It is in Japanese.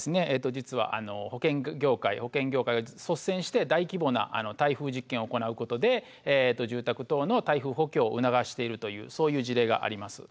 実は保険業界が率先して大規模な耐風実験を行うことで住宅等の耐風補強を促しているというそういう事例があります。